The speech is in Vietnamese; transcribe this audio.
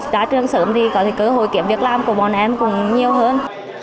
ra trường sớm thì có thể cơ hội kiểm việc làm của bọn em cũng nhiều hơn